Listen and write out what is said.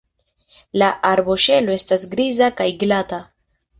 La arboŝelo estas griza kaj glata.